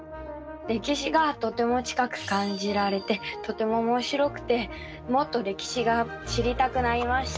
歴史がとても近く感じられてとてもおもしろくてもっと歴史が知りたくなりました。